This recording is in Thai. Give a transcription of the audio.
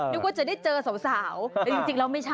นึกว่าจะได้เจอสาวแต่จริงแล้วไม่ใช่